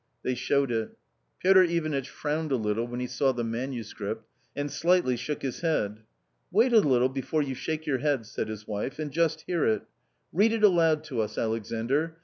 They showed it. Piotr Ivanitch frowned a little when he saw the manuscript and slightly shook his head. " Wait a little before you shake your head," said his wife, "and just hear it Read it aloud to us, Alexandr.